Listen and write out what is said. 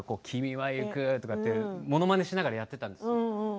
「君は行く」とかってものまねしながらやってたんですよ。